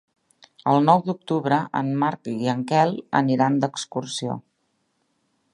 El nou d'octubre en Marc i en Quel aniran d'excursió.